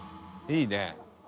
「いいねえ。